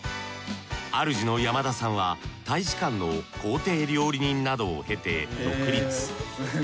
あるじの山田さんは大使館の公邸料理人などを経て独立。